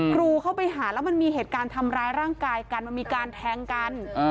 ครูเข้าไปหาแล้วมันมีเหตุการณ์ทำร้ายร่างกายกันมันมีการแทงกัน